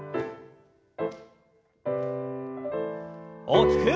大きく。